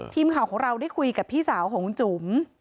ทีมข่าวของเราได้คุยกับพี่สาวของคุณจุ๋ม